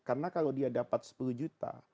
karena kalau dia dapat sepuluh juta